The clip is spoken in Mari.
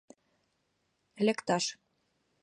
Лекташ.